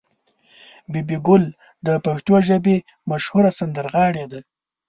بي بي ګل د پښتو ژبې مشهوره سندرغاړې ده.